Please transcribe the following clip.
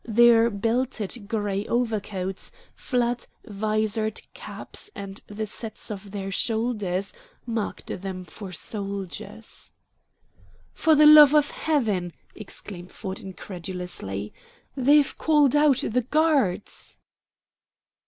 Their belted gray overcoats, flat, visored caps, and the set of their shoulders marked them for soldiers. "For the love of Heaven!" exclaimed Ford incredulously, "they've called out the Guards!"